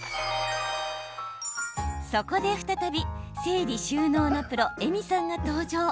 そこで再び、整理収納のプロＥｍｉさんが登場。